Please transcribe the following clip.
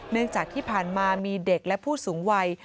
เนื่องจากที่ผ่านมามีเด็กและผู้สูงวัย